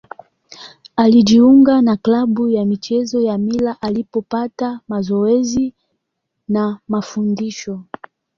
Alijiunga na klabu ya michezo ya Mila alipopata mazoezi na mafundisho.